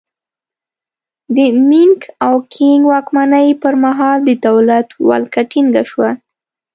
د مینګ او کینګ واکمنۍ پرمهال د دولت ولکه ټینګه شوه.